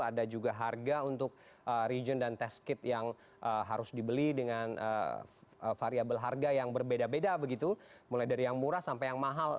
ada juga harga untuk region dan test kit yang harus dibeli dengan variabel harga yang berbeda beda begitu mulai dari yang murah sampai yang mahal